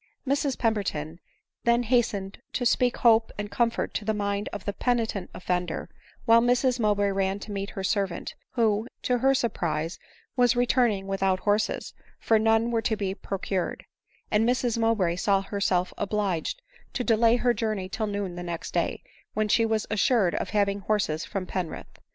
Mrs Pemberton then hastened to speak hope and com fort to the mind of the penitent offender, while Mrs Mowbray ran to meet her servant, who, to her surprise, was returning without horses, for none were to be pro* cured; and Mrs Mowbray saw herself obliged to delay her journey till noon the next day, when she was assured of having horses from Penrith.